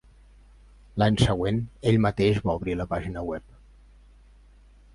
L'any següent, ell mateix va obrir la pàgina web.